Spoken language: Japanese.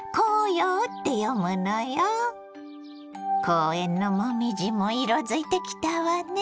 公園の紅葉も色づいてきたわね。